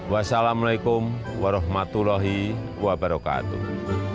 wassalamualaikum warahmatullahi wabarakatuh